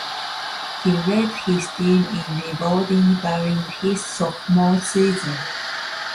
He led his team in rebounding during his sophomore season.